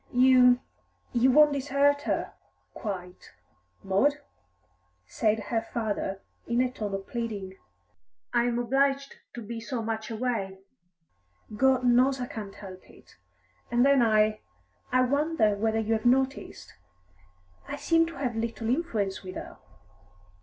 "You you won't desert her quite Maud?" said her father in a tone of pleading. "I am obliged to be so much away God knows I can't help it. And then I I wonder whether you have noticed? I seem to have little influence with her."